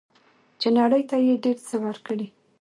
چې نړۍ ته یې ډیر څه ورکړي.